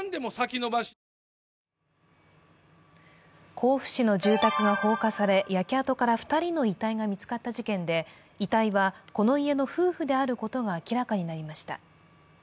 甲府市の住宅が放火され焼け跡から２人の遺体が見つかった事件で、遺体はこの家の夫婦であることが明らかになりました。